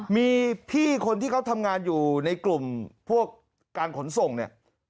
มีพี่คนที่เขาทำงานอยู่ในกลุ่มพวกการขนส่งเนี่ย